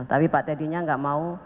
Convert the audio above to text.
tapi pak teddy nya nggak mau